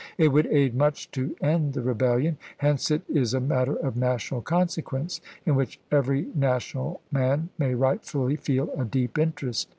It would aid much to end the Rebellion. Hence it is a matter of national consequence, in which every national man may rightfully feel a deep interest.